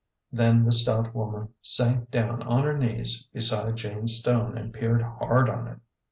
Then the stout woman sank down on her knees beside Jane's stone, and peered hard at it.